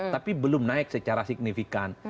tapi belum naik secara signifikan